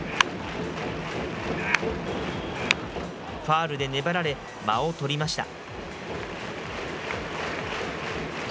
ファウルで粘られ、間を取りました。